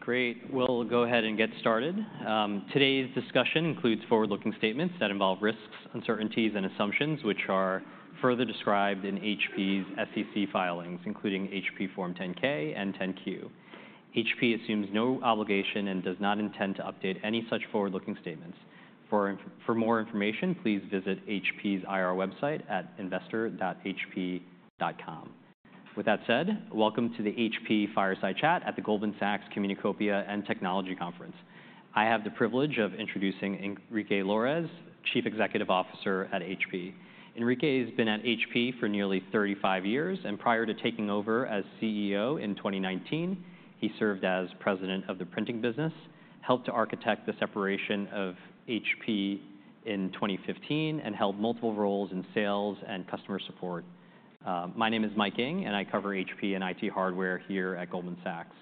Great, we'll go ahead and get started. Today's discussion includes forward-looking statements that involve risks, uncertainties, and assumptions, which are further described in HP's SEC filings, including HP Form 10-K and 10-Q. HP assumes no obligation and does not intend to update any such forward-looking statements. For more information, please visit HP's IR website at investor.hp.com. With that said, welcome to the HP Fireside Chat at the Goldman Sachs Communacopia and Technology Conference. I have the privilege of introducing Enrique Lores, Chief Executive Officer at HP. Enrique has been at HP for nearly 35 years, and prior to taking over as CEO in 2019, he served as president of the printing business, helped to architect the separation of HP in 2015, and held multiple roles in sales and customer support. My name is Mike Ng, and I cover HP and IT hardware here at Goldman Sachs.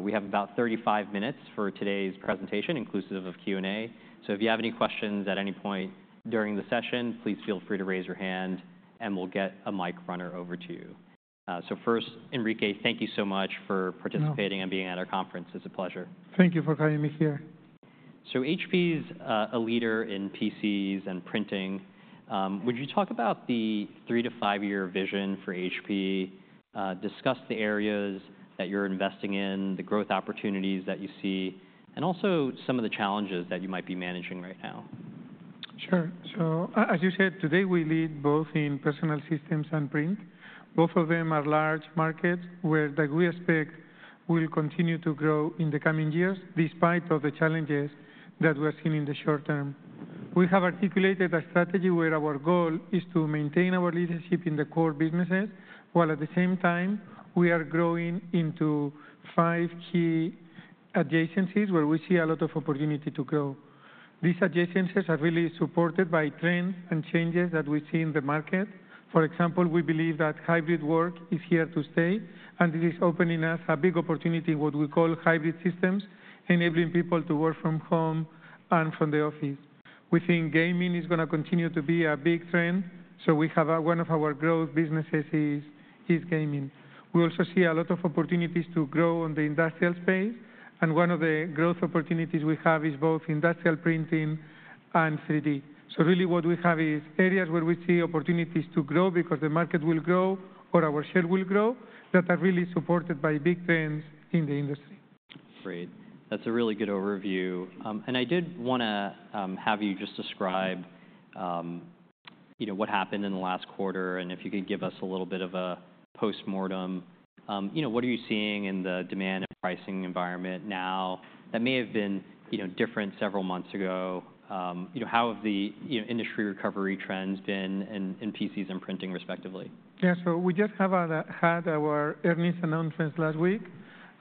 We have about 35 minutes for today's presentation, inclusive of Q&A. So if you have any questions at any point during the session, please feel free to raise your hand, and we'll get a mic runner over to you. First, Enrique, thank you so much for participating. No... and being at our conference. It's a pleasure. Thank you for having me here. HP is a leader in PCs and printing. Would you talk about the three-to-five-year vision for HP? Discuss the areas that you're investing in, the growth opportunities that you see, and also some of the challenges that you might be managing right now. Sure. So as you said, today, we lead both in Personal Systems and Print. Both of them are large markets, where that we expect will continue to grow in the coming years, despite of the challenges that we're seeing in the short term. We have articulated a strategy where our goal is to maintain our leadership in the core businesses, while at the same time, we are growing into five key adjacencies, where we see a lot of opportunity to grow. These adjacencies are really supported by trends and changes that we see in the market. For example, we believe that Hybrid work is here to stay, and it is opening us a big opportunity, what we call Hybrid Systems, enabling people to work from home and from the office. We think gaming is gonna continue to be a big trend, so we have a one of our growth businesses is, is gaming. We also see a lot of opportunities to grow in the industrial space, and one of the growth opportunities we have is both industrial printing and 3D. So really what we have is areas where we see opportunities to grow because the market will grow or our share will grow, that are really supported by big trends in the industry. Great. That's a really good overview. I did wanna have you just describe you know, what happened in the last quarter, and if you could give us a little bit of a postmortem. You know, what are you seeing in the demand and pricing environment now that may have been, you know, different several months ago? You know, how have the, you know, industry recovery trends been in PCs and printing, respectively? Yeah, so we just have had our earnings announcements last week,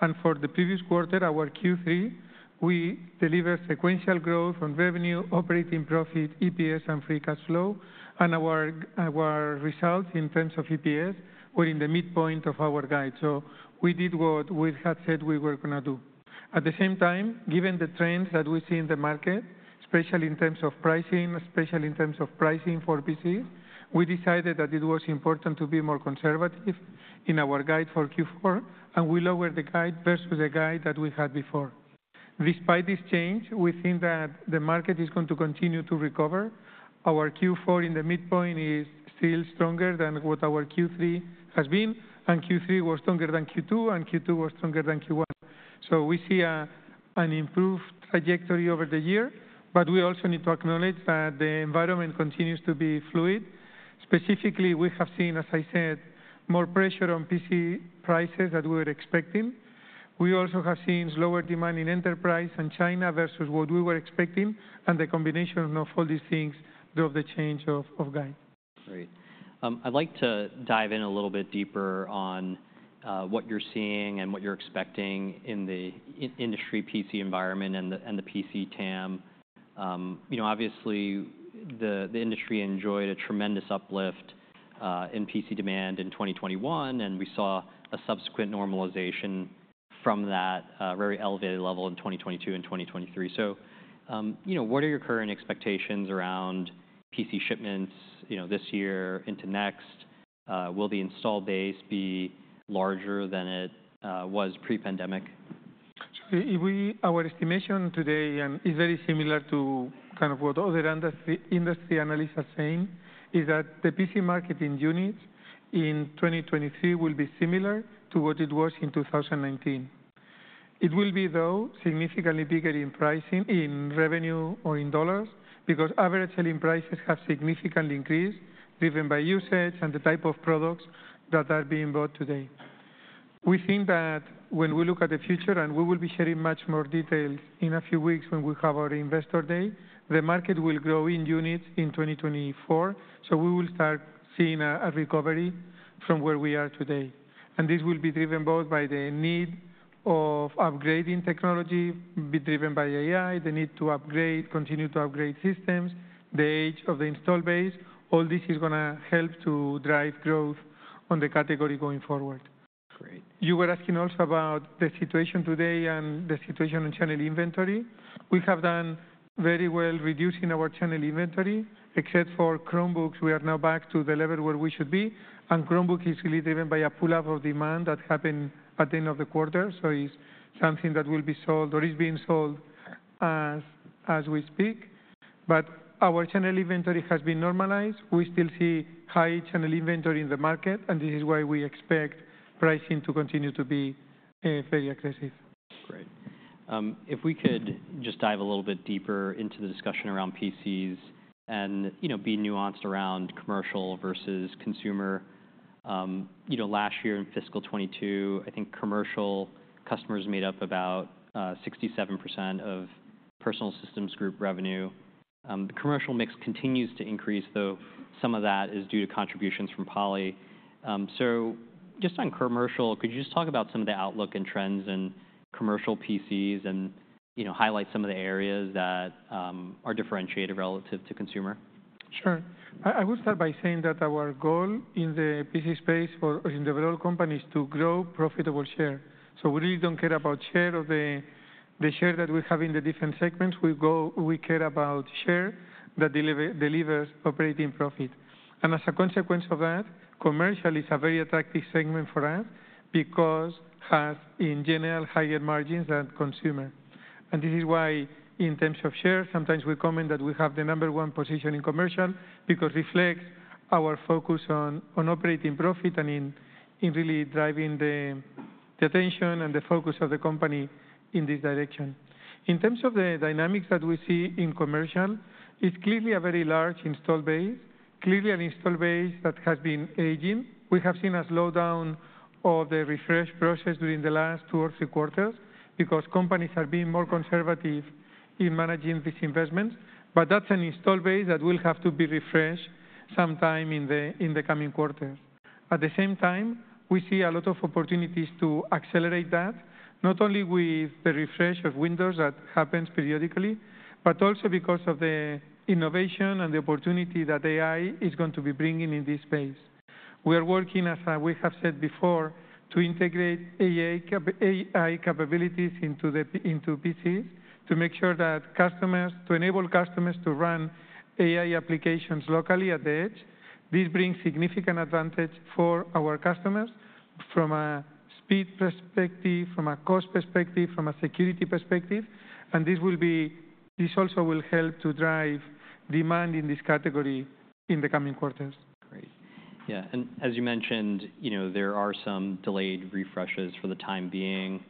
and for the previous quarter, our Q3, we delivered sequential growth on revenue, operating profit, EPS, and free cash flow. Our results in terms of EPS were in the midpoint of our guide. So we did what we had said we were gonna do. At the same time, given the trends that we see in the market, especially in terms of pricing, especially in terms of pricing for PCs, we decided that it was important to be more conservative in our guide for Q4, and we lowered the guide versus the guide that we had before. Despite this change, we think that the market is going to continue to recover. Our Q4 in the midpoint is still stronger than what our Q3 has been, and Q3 was stronger than Q2, and Q2 was stronger than Q1. So we see an improved trajectory over the year, but we also need to acknowledge that the environment continues to be fluid. Specifically, we have seen, as I said, more pressure on PC prices than we were expecting. We also have seen lower demand in enterprise and China versus what we were expecting, and the combination of all these things drove the change of guide. Great. I'd like to dive in a little bit deeper on what you're seeing and what you're expecting in the industry PC environment and the PC TAM. You know, obviously, the industry enjoyed a tremendous uplift in PC demand in 2021, and we saw a subsequent normalization from that very elevated level in 2022 and 2023. So, you know, what are your current expectations around PC shipments, you know, this year into next? Will the install base be larger than it was pre-pandemic? So if we-- our estimation today is very similar to kind of what other industry analysts are saying, is that the PC market in units in 2023 will be similar to what it was in 2019. It will be, though, significantly bigger in pricing, in revenue or in dollars, because average selling prices have significantly increased, driven by usage and the type of products that are being bought today. We think that when we look at the future, and we will be sharing much more details in a few weeks when we have our Investor Day, the market will grow in units in 2024, so we will start seeing a recovery from where we are today. And this will be driven both by the need of upgrading technology, be driven by AI, the need to upgrade, continue to upgrade systems, the age of the install base. All this is gonna help to drive growth on the category going forward. Great. You were asking also about the situation today and the situation on channel inventory. We have done very well reducing our channel inventory. Except for Chromebooks, we are now back to the level where we should be, and Chromebook is really driven by a pull-up of demand that happened at the end of the quarter. So it's something that will be sold or is being sold as we speak, but our channel inventory has been normalized. We still see high channel inventory in the market, and this is why we expect pricing to continue to be very aggressive. Great. If we could just dive a little bit deeper into the discussion around PCs and, you know, be nuanced around commercial versus consumer. You know, last year in fiscal 2022, I think commercial customers made up about 67% of Personal Systems Group revenue. The commercial mix continues to increase, though some of that is due to contributions from Poly. So just on commercial, could you just talk about some of the outlook and trends in commercial PCs and, you know, highlight some of the areas that are differentiated relative to consumer? Sure. I, I would start by saying that our goal in the PC space in the overall company is to grow profitable share. So we really don't care about share of the, the share that we have in the different segments. We care about share that deliver, delivers operating profit. And as a consequence of that, commercial is a very attractive segment for us because has, in general, higher margins than consumer. And this is why, in terms of share, sometimes we comment that we have the number one position in commercial, because reflects our focus on, on operating profit and in, in really driving the, the attention and the focus of the company in this direction. In terms of the dynamics that we see in commercial, it's clearly a very large install base, clearly an install base that has been aging. We have seen a slowdown of the refresh process during the last two or three quarters because companies are being more conservative in managing these investments, but that's an installed base that will have to be refreshed sometime in the coming quarters. At the same time, we see a lot of opportunities to accelerate that, not only with the refresh of Windows that happens periodically, but also because of the innovation and the opportunity that AI is going to be bringing in this space. We are working, as we have said before, to integrate AI capabilities into PCs, to make sure to enable customers to run AI applications locally at the edge. This brings significant advantage for our customers from a speed perspective, from a cost perspective, from a security perspective, and this also will help to drive demand in this category in the coming quarters. Great. Yeah, and as you mentioned, you know, there are some delayed refreshes for the time being.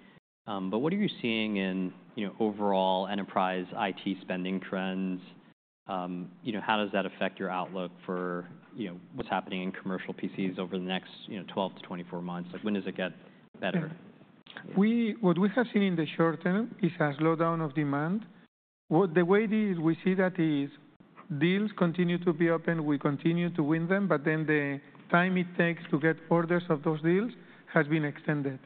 But what are you seeing in, you know, overall enterprise IT spending trends? You know, how does that affect your outlook for, you know, what's happening in commercial PCs over the next 12-24 months? Like, when does it get better? Yeah. What we have seen in the short term is a slowdown of demand. The way it is, we see that is, deals continue to be open, we continue to win them, but then the time it takes to get orders of those deals has been extended.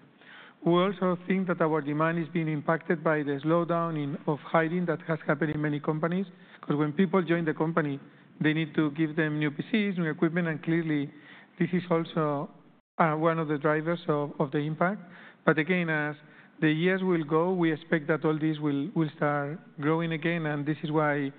We also think that our demand is being impacted by the slowdown in, of hiring that has happened in many companies, 'cause when people join the company, they need to give them new PCs, new equipment, and clearly this is also one of the drivers of, of the impact. But again, as the years will go, we expect that all this will start growing again, and this is why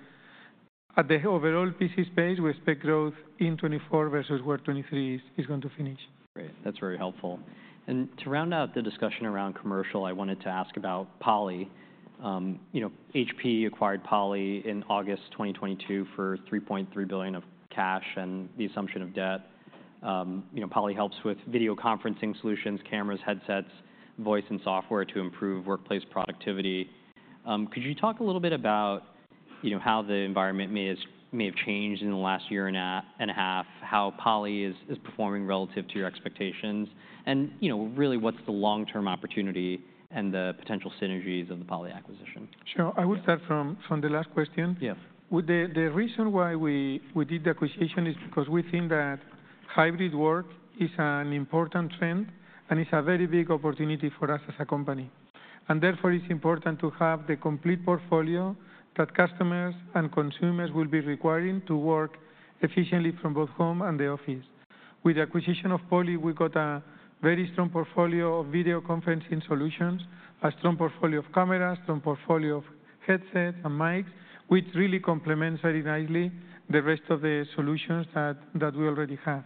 at the overall PC space, we expect growth in 2024 versus where 2023 is going to finish. Great. That's very helpful. To round out the discussion around commercial, I wanted to ask about Poly. You know, HP acquired Poly in August 2022 for $3.3 billion of cash and the assumption of debt. You know, Poly helps with video conferencing solutions, cameras, headsets, voice, and software to improve workplace productivity. Could you talk a little bit about, you know, how the environment may have changed in the last year and a half? How Poly is performing relative to your expectations? And, you know, really, what's the long-term opportunity and the potential synergies of the Poly acquisition? Sure. I would start from the last question. Yes. Well, the reason why we did the acquisition is because we think that hybrid work is an important trend, and it's a very big opportunity for us as a company. And therefore, it's important to have the complete portfolio that customers and consumers will be requiring to work efficiently from both home and the office. With the acquisition of Poly, we got a very strong portfolio of video conferencing solutions, a strong portfolio of cameras, strong portfolio of headsets and mics, which really complements very nicely the rest of the solutions that we already have.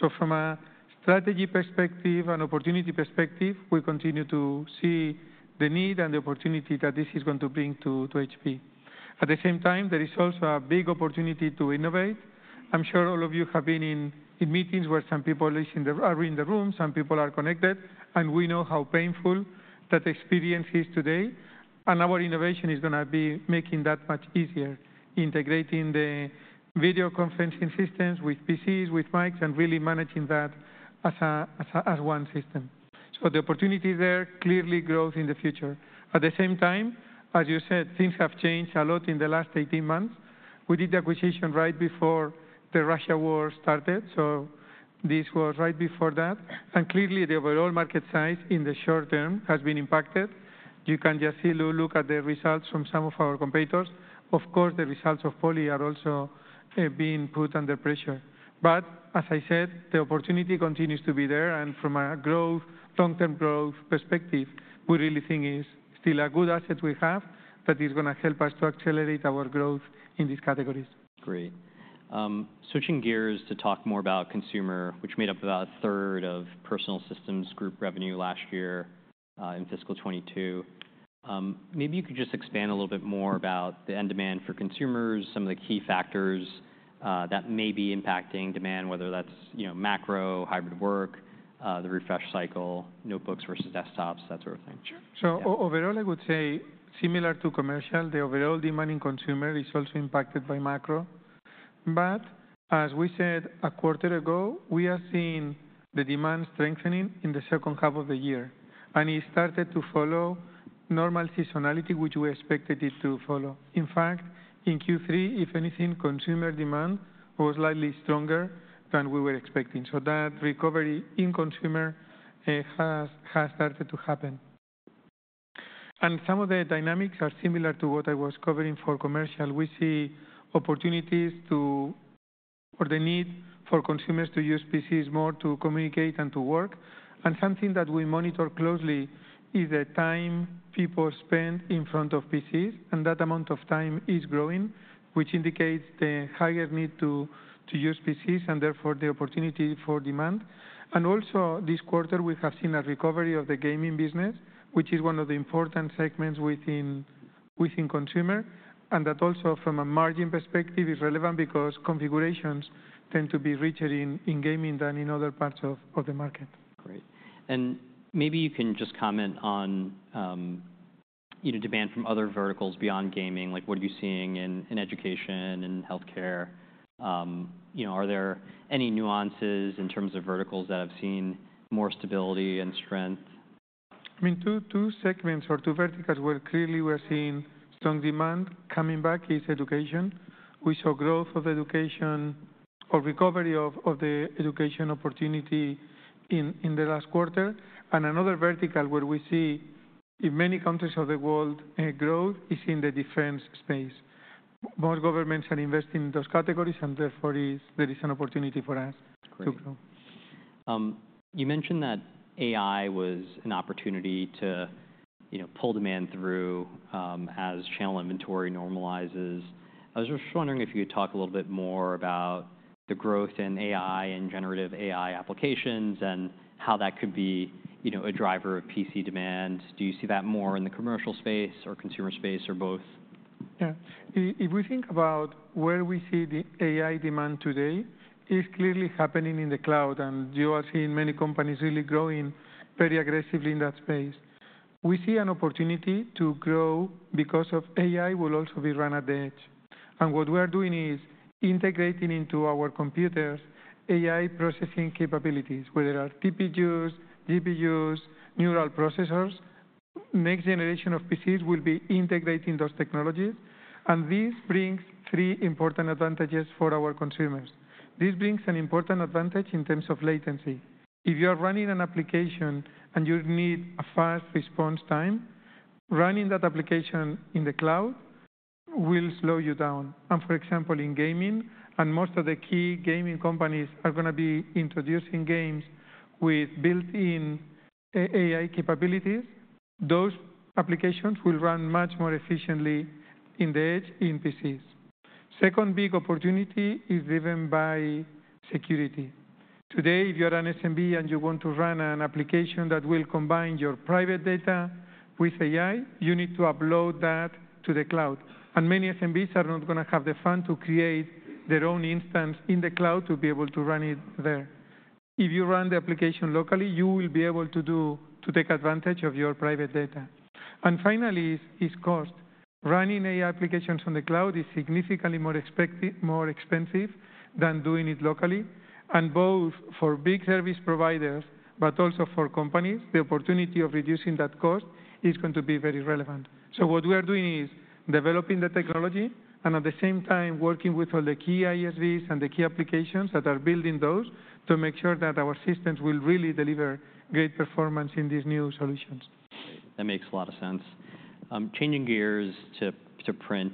So from a strategy perspective and opportunity perspective, we continue to see the need and the opportunity that this is going to bring to HP. At the same time, there is also a big opportunity to innovate. I'm sure all of you have been in meetings where some people are in the room, some people are connected, and we know how painful that experience is today, and our innovation is gonna be making that much easier, integrating the video conferencing systems with PCs, with mics, and really managing that as one system. So the opportunity there clearly grows in the future. At the same time, as you said, things have changed a lot in the last 18 months. We did the acquisition right before the Russia war started, so this was right before that, and clearly the overall market size in the short term has been impacted. You can just see, look at the results from some of our competitors. Of course, the results of Poly are also being put under pressure. But as I said, the opportunity continues to be there, and from a growth, long-term growth perspective, we really think it is still a good asset we have that is gonna help us to accelerate our growth in these categories. Switching gears to talk more about consumer, which made up about a third of Personal Systems Group revenue last year, in fiscal 2022. Maybe you could just expand a little bit more about the end demand for consumers, some of the key factors that may be impacting demand, whether that's, you know, macro, hybrid work, the refresh cycle, notebooks versus desktops, that sort of thing. Sure. So overall, I would say similar to commercial, the overall demand in consumer is also impacted by macro. But as we said a quarter ago, we are seeing the demand strengthening in the second half of the year, and it started to follow normal seasonality, which we expected it to follow. In fact, in Q3, if anything, consumer demand was slightly stronger than we were expecting. So that recovery in consumer has started to happen. And some of the dynamics are similar to what I was covering for commercial. We see opportunities to, or the need for consumers to use PCs more to communicate and to work. And something that we monitor closely is the time people spend in front of PCs, and that amount of time is growing, which indicates the higher need to use PCs and therefore the opportunity for demand. Also, this quarter, we have seen a recovery of the gaming business, which is one of the important segments within consumer. And that also, from a margin perspective, is relevant because configurations tend to be richer in gaming than in other parts of the market. Great. And maybe you can just comment on, you know, demand from other verticals beyond gaming. Like, what are you seeing in education and in healthcare? You know, are there any nuances in terms of verticals that have seen more stability and strength? I mean, 2, 2 segments or 2 verticals where clearly we are seeing strong demand coming back is education. We saw growth of education or recovery of the education opportunity in the last quarter. And another vertical where we see, in many countries of the world, growth is in the defense space. More governments are investing in those categories, and therefore there is an opportunity for us to grow. You mentioned that AI was an opportunity to, you know, pull demand through, as channel inventory normalizes. I was just wondering if you could talk a little bit more about the growth in AI and generative AI applications, and how that could be, you know, a driver of PC demand. Do you see that more in the commercial space or consumer space or both? Yeah. If we think about where we see the AI demand today, it's clearly happening in the cloud, and you are seeing many companies really growing very aggressively in that space. We see an opportunity to grow because of AI will also be run at the edge, and what we are doing is integrating into our computers AI processing capabilities, whether are TPUs, GPUs, neural processors. Next generation of PCs will be integrating those technologies, and this brings three important advantages for our consumers. This brings an important advantage in terms of latency. If you are running an application and you need a fast response time, running that application in the cloud will slow you down. And, for example, in gaming, and most of the key gaming companies are gonna be introducing games with built-in AI capabilities, those applications will run much more efficiently in the edge in PCs. Second big opportunity is driven by security. Today, if you are an SMB and you want to run an application that will combine your private data with AI, you need to upload that to the cloud, and many SMBs are not gonna have the funds to create their own instance in the cloud to be able to run it there. If you run the application locally, you will be able to do to take advantage of your private data. And finally, is cost. Running AI applications on the cloud is significantly more expensive than doing it locally. And both for big service providers, but also for companies, the opportunity of reducing that cost is going to be very relevant. What we are doing is developing the technology and, at the same time, working with all the key ISVs and the key applications that are building those to make sure that our systems will really deliver great performance in these new solutions. Great. That makes a lot of sense. Changing gears to print.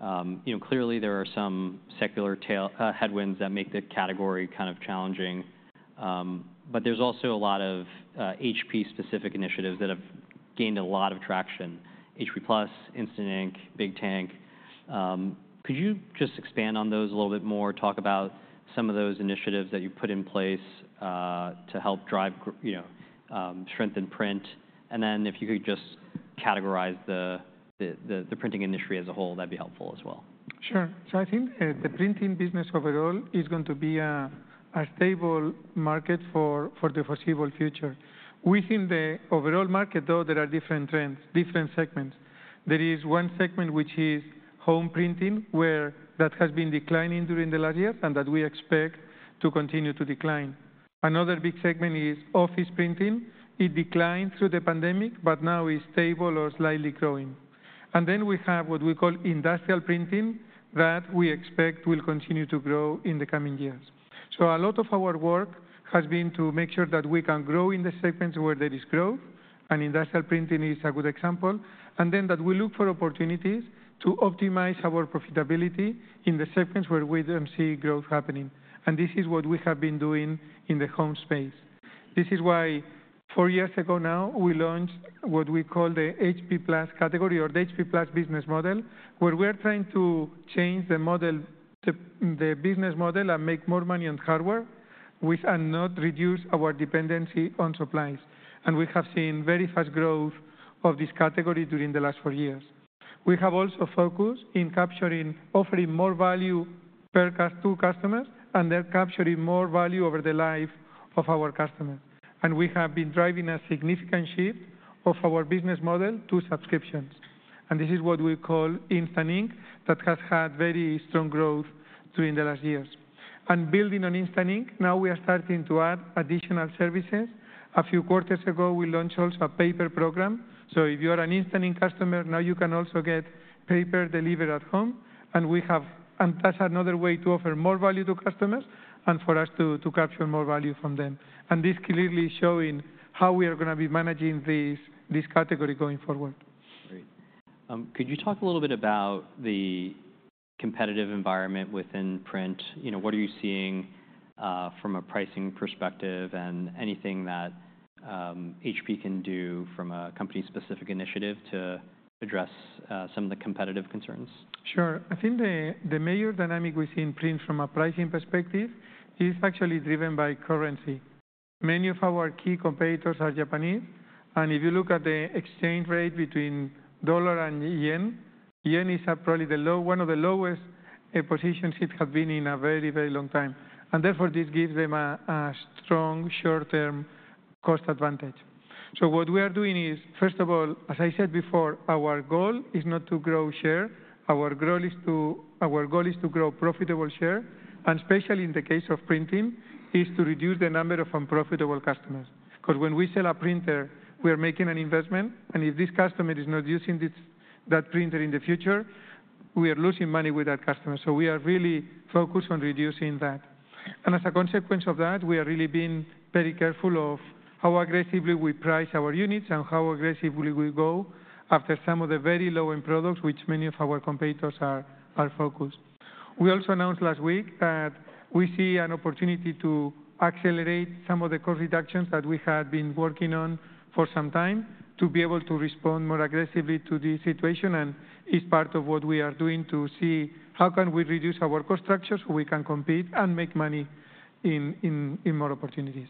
You know, clearly there are some secular tail headwinds that make the category kind of challenging. But there's also a lot of HP-specific initiatives that have gained a lot of traction: HP+, Instant Ink, Big Tank. Could you just expand on those a little bit more? Talk about some of those initiatives that you put in place to help drive you know, strength in print. And then if you could just categorize the printing industry as a whole, that'd be helpful as well. Sure. So I think, the printing business overall is going to be a stable market for the foreseeable future. Within the overall market, though, there are different trends, different segments. There is one segment, which is home printing, where that has been declining during the last years and that we expect to continue to decline. Another big segment is office printing. It declined through the pandemic, but now is stable or slightly growing. And then we have what we call industrial printing that we expect will continue to grow in the coming years. So a lot of our work has been to make sure that we can grow in the segments where there is growth, and industrial printing is a good example. Then that we look for opportunities to optimize our profitability in the segments where we don't see growth happening, and this is what we have been doing in the home space. This is why four years ago now, we launched what we call the HP+ category or the HP+ business model, where we are trying to change the model, the business model and make more money on hardware, which and not reduce our dependency on supplies. And we have seen very fast growth of this category during the last four years. We have also focused in capturing, offering more value per customer to customers, and then capturing more value over the life of our customers. And we have been driving a significant shift of our business model to subscriptions. This is what we call Instant Ink, that has had very strong growth during the last years. Building on Instant Ink, now we are starting to add additional services. A few quarters ago, we launched also a paper program. So if you are an Instant Ink customer, now you can also get paper delivered at home, and that's another way to offer more value to customers and for us to capture more value from them. This clearly showing how we are gonna be managing this category going forward. Great. Could you talk a little bit about the competitive environment within Print? You know, what are you seeing from a pricing perspective and anything that HP can do from a company-specific initiative to address some of the competitive concerns? Sure. I think the major dynamic we see in Print from a pricing perspective is actually driven by currency. Many of our key competitors are Japanese, and if you look at the exchange rate between dollar and yen, yen is at probably one of the lowest positions it has been in a very, very long time. And therefore, this gives them a strong short-term cost advantage. So what we are doing is, first of all, as I said before, our goal is not to grow share. Our goal is to grow profitable share, and especially in the case of printing, is to reduce the number of unprofitable customers. 'Cause when we sell a printer, we are making an investment, and if this customer is not using this, that printer in the future, we are losing money with that customer. So we are really focused on reducing that. As a consequence of that, we are really being very careful of how aggressively we price our units and how aggressively we go after some of the very low-end products, which many of our competitors are focused. We also announced last week that we see an opportunity to accelerate some of the cost reductions that we had been working on for some time, to be able to respond more aggressively to this situation, and it's part of what we are doing to see how can we reduce our cost structure so we can compete and make money in more opportunities.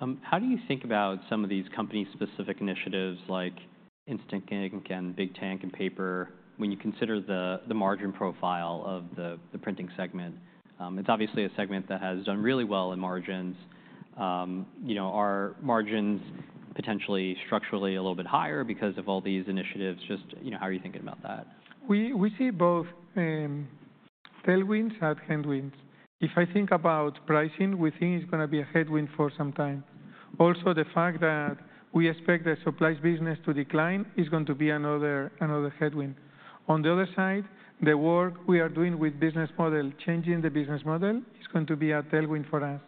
Great. How do you think about some of these company-specific initiatives like Instant Ink and Big Tank and paper, when you consider the margin profile of the printing segment? It's obviously a segment that has done really well in margins. You know, are margins potentially structurally a little bit higher because of all these initiatives? Just, you know, how are you thinking about that? We see both tailwinds and headwinds. If I think about pricing, we think it's gonna be a headwind for some time. Also, the fact that we expect the supplies business to decline is going to be another headwind. On the other side, the work we are doing with business model, changing the business model, is going to be a tailwind for us.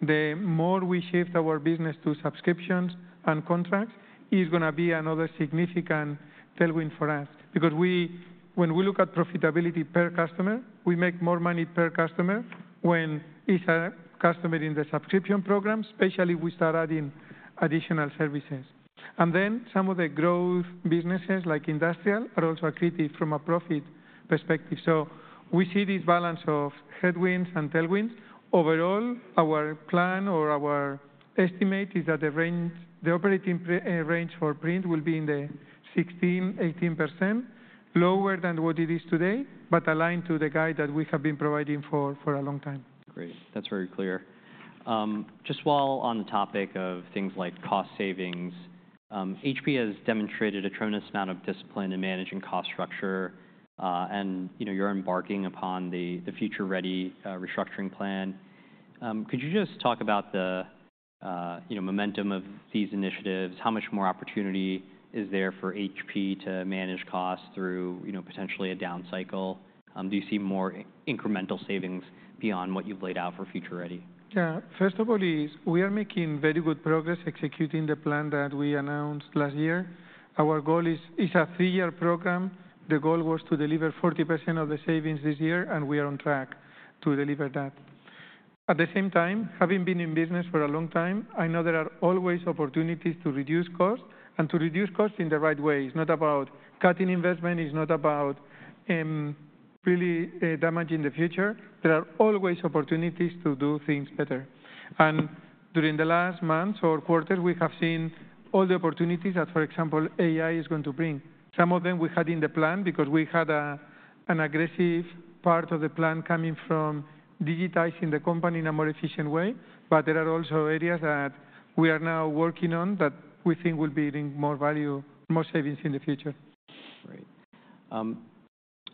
The more we shift our business to subscriptions and contracts is gonna be another significant tailwind for us. Because when we look at profitability per customer, we make more money per customer when it's a customer in the subscription program, especially if we start adding additional services. And then some of the growth businesses, like industrial, are also accretive from a profit perspective. So we see this balance of headwinds and tailwinds. Overall, our plan or our estimate is that the range, the operating range for Print will be in the 16%-18%, lower than what it is today, but aligned to the guide that we have been providing for a long time. Great. That's very clear. Just while on the topic of things like cost savings, HP has demonstrated a tremendous amount of discipline in managing cost structure, and, you know, you're embarking upon the Future Ready restructuring plan. Could you just talk about the you know, momentum of these initiatives? How much more opportunity is there for HP to manage costs through, you know, potentially a down cycle? Do you see more incremental savings beyond what you've laid out for Future Ready? Yeah. First of all, we are making very good progress executing the plan that we announced last year. Our goal is... It's a three-year program. The goal was to deliver 40% of the savings this year, and we are on track to deliver that. At the same time, having been in business for a long time, I know there are always opportunities to reduce cost and to reduce cost in the right way. It's not about cutting investment, it's not about, really, damaging the future. There are always opportunities to do things better. And during the last months or quarters, we have seen all the opportunities that, for example, AI is going to bring. Some of them we had in the plan because we had an aggressive part of the plan coming from digitizing the company in a more efficient way, but there are also areas that we are now working on that we think will be bringing more value, more savings in the future. Great.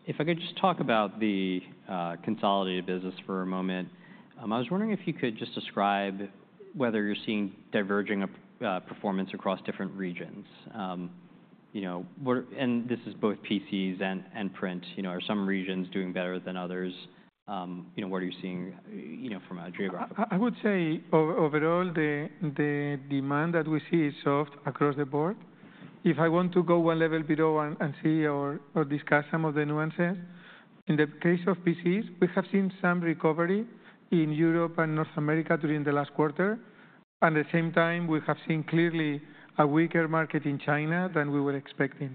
If I could just talk about the consolidated business for a moment. I was wondering if you could just describe whether you're seeing diverging of performance across different regions. You know, and this is both PCs and Print. You know, are some regions doing better than others? You know, what are you seeing, you know, from a geographical- I would say overall, the demand that we see is soft across the board. If I want to go one level below and see or discuss some of the nuances, in the case of PCs, we have seen some recovery in Europe and North America during the last quarter. At the same time, we have seen clearly a weaker market in China than we were expecting,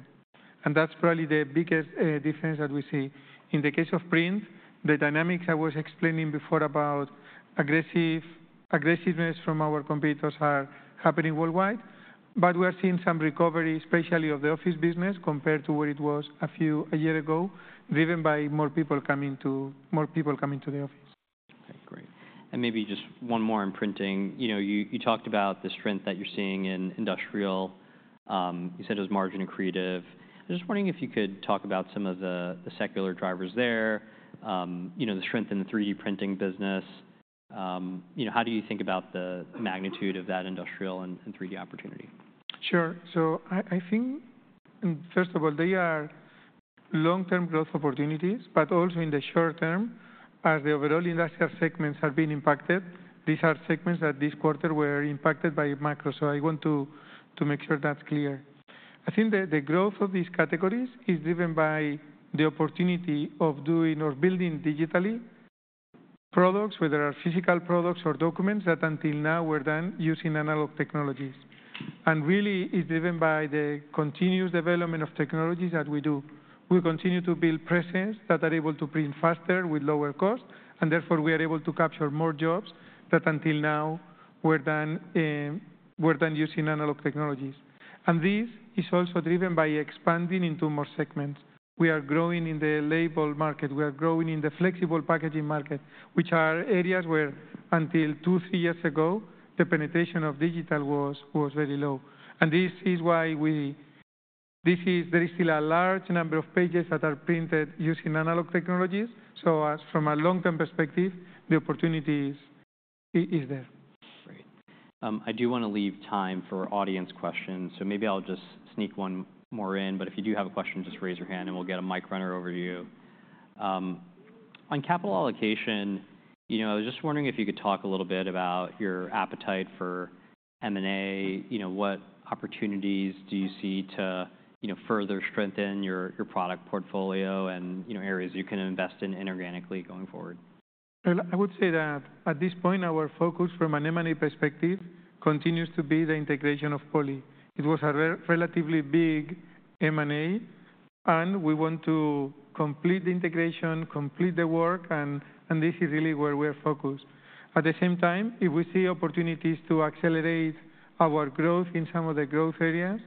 and that's probably the biggest difference that we see. In the case of print, the dynamics I was explaining before about aggressiveness from our competitors are happening worldwide, but we are seeing some recovery, especially of the office business, compared to where it was a year ago, driven by more people coming to the office. Okay, great. And maybe just one more on printing. You know, you talked about the strength that you're seeing in industrial. You said it was margin and creative. I'm just wondering if you could talk about some of the secular drivers there, you know, the strength in the 3D printing business. You know, how do you think about the magnitude of that industrial and 3D opportunity? Sure. So I think, first of all, they are long-term growth opportunities, but also in the short term, as the overall industrial segments have been impacted, these are segments that this quarter were impacted by macro. So I want to make sure that's clear. I think the growth of these categories is driven by the opportunity of doing or building digitally products, whether are physical products or documents, that until now were done using analog technologies. And really, it's driven by the continuous development of technologies that we do. We continue to build presses that are able to print faster with lower cost, and therefore we are able to capture more jobs that until now were done using analog technologies. And this is also driven by expanding into more segments. We are growing in the label market. We are growing in the flexible packaging market, which are areas where, until 2, 3 years ago, the penetration of digital was, was very low. This is why we-- this is-- there is still a large number of pages that are printed using analog technologies, so as from a long-term perspective, the opportunity is, is there. Great. I do want to leave time for audience questions, so maybe I'll just sneak one more in. But if you do have a question, just raise your hand and we'll get a mic runner over to you. On capital allocation, you know, I was just wondering if you could talk a little bit about your appetite for M&A. You know, what opportunities do you see to, you know, further strengthen your, your product portfolio and, you know, areas you can invest in inorganically going forward? Well, I would say that at this point, our focus from an M&A perspective continues to be the integration of Poly. It was a relatively big M&A, and we want to complete the integration, complete the work, and, and this is really where we are focused. At the same time, if we see opportunities to accelerate our growth in some of the growth areas,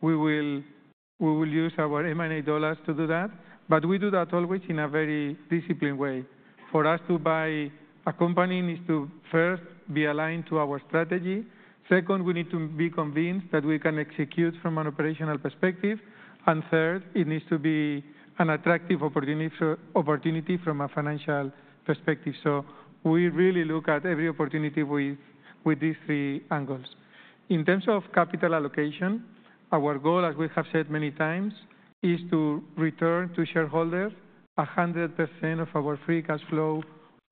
we will, we will use our M&A dollars to do that, but we do that always in a very disciplined way. For us to buy a company, needs to first be aligned to our strategy. Second, we need to be convinced that we can execute from an operational perspective. And third, it needs to be an attractive opportunity opportunity from a financial perspective. So we really look at every opportunity with, with these three angles. In terms of capital allocation, our goal, as we have said many times, is to return to shareholders 100% of our free cash flow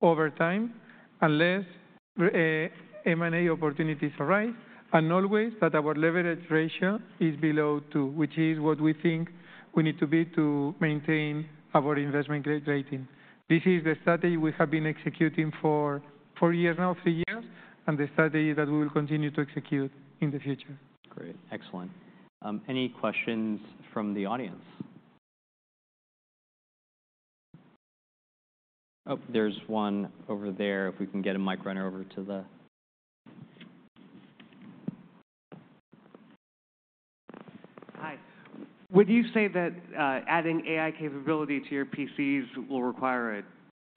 over time, unless M&A opportunities arise, and always that our leverage ratio is below 2, which is what we think we need to be to maintain our investment grade rating. This is the strategy we have been executing for 4 years now, 3 years, and the strategy that we will continue to execute in the future. Great. Excellent. Any questions from the audience? Oh, there's one over there. If we can get a mic runner over to the... Hi. Would you say that adding AI capability to your PCs will require a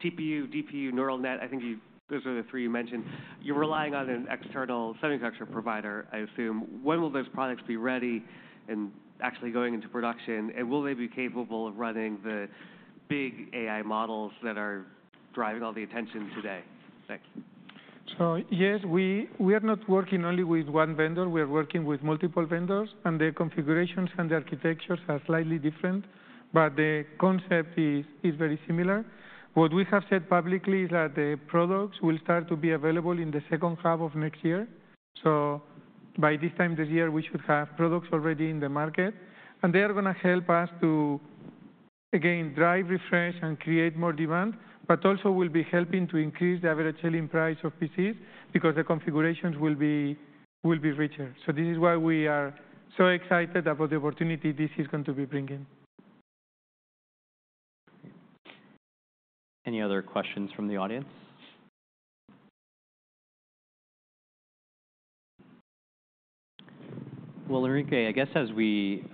TPU, DPU, neural net? I think you... Those are the three you mentioned. You're relying on an external semiconductor provider, I assume. When will those products be ready and actually going into production? And will they be capable of running the big AI models that are driving all the attention today? Thank you. So yes, we are not working only with one vendor. We are working with multiple vendors, and their configurations and architectures are slightly different, but the concept is very similar. What we have said publicly is that the products will start to be available in the second half of next year. So by this time this year, we should have products already in the market. And they are gonna help us to, again, drive, refresh, and create more demand, but also will be helping to increase the average selling price of PCs, because the configurations will be richer. So this is why we are so excited about the opportunity this is going to be bringing. Any other questions from the audience? Well, Enrique, I guess as we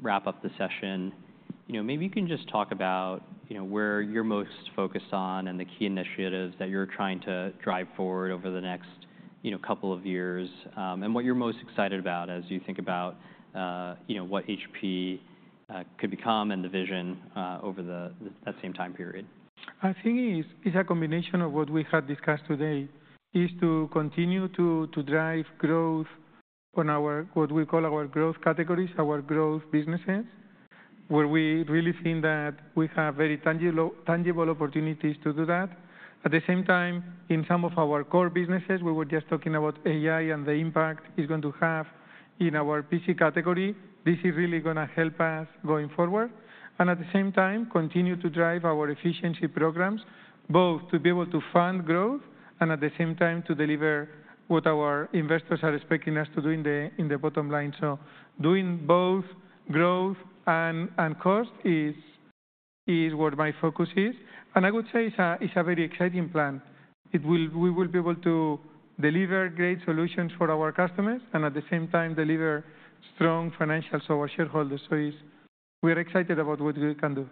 wrap up the session, you know, maybe you can just talk about, you know, where you're most focused on and the key initiatives that you're trying to drive forward over the next, you know, couple of years, and what you're most excited about as you think about, you know, what HP could become and the vision over that same time period. I think it's a combination of what we have discussed today, is to continue to drive growth on our, what we call our growth categories, our growth businesses, where we really think that we have very tangible opportunities to do that. At the same time, in some of our core businesses, we were just talking about AI and the impact it's going to have in our PC category. This is really gonna help us going forward, and at the same time, continue to drive our efficiency programs, both to be able to fund growth and at the same time to deliver what our investors are expecting us to do in the bottom line. So doing both growth and cost is where my focus is, and I would say it's a very exciting plan. We will be able to deliver great solutions for our customers and at the same time deliver strong financials for our shareholders. So it's... We're excited about what we can do.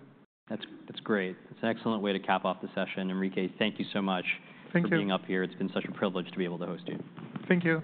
That's, that's great. That's an excellent way to cap off the session. Enrique, thank you so much- Thank you... for being up here. It's been such a privilege to be able to host you. Thank you.